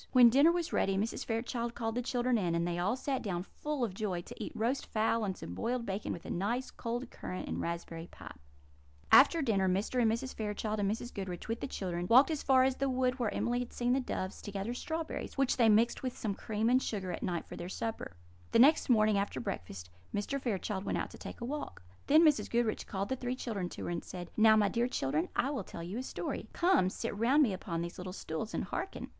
When dinner was ready, Mrs. Fairchild called the children in, and they all sat down, full of joy, to eat roast fowl and some boiled bacon, with a nice cold currant and raspberry pie. [Illustration: "Emily and her brother and sister went to play in the garden." Page 68.] After dinner Mr. and Mrs. Fairchild and Mrs. Goodriche, with the children, walked as far as the wood where Emily had seen the doves, to gather strawberries, which they mixed with some cream and sugar at night for their supper. The next morning, after breakfast, Mr. Fairchild went out to take a walk. Then Mrs. Goodriche called the three children to her, and said: "Now, my dear children, I will tell you a story. Come, sit round me upon these little stools, and hearken."